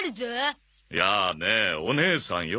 やーねお姉さんよ。